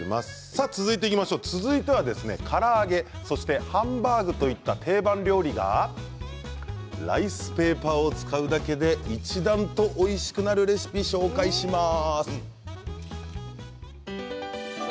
続いては、から揚げハンバーグといった定番料理がライスペーパーを使うだけで一段とおいしくなるレシピを紹介します。